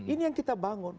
ini yang kita bangun